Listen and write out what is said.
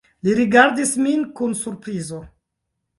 Li rigardis min kun surprizo.